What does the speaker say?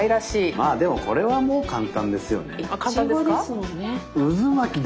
まあでもこれはもう簡単ですよね？